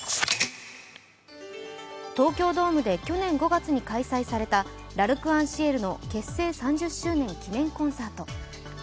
東京ドームで去年５月に開催されたＬ’ＡｒｃｅｎＣｉｅｌの結成３０周年を記念したコンサート。